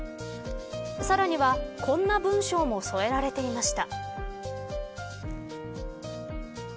さらには、こんな文章も添えられていました。